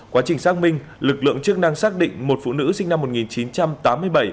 quá trình xác minh lực lượng chức năng xác định một phụ nữ sinh năm một nghìn chín trăm tám mươi bảy